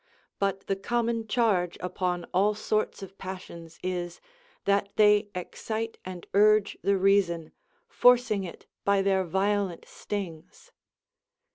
But the common charge upon all sorts of passions is, that they excite and urge the reason, forcing it by their violent stings.